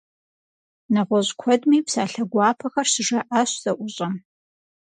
Нэгъуэщӏ куэдми псалъэ гуапэхэр щыжаӏащ зэӏущӏэм.